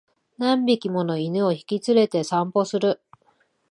何匹もの犬を引き連れて散歩する